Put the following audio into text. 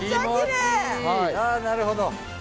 あなるほど。